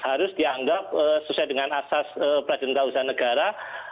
itu harus dianggap sesuai dengan asas pradipta usaha negara